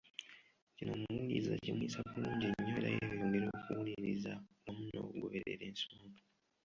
Kino omuwuliriza kimuyisa bulungi nnyo era yeeyongera okuwuliriza wamu n'okugoberera ensonga.